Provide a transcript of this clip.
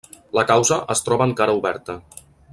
La causa es troba encara oberta.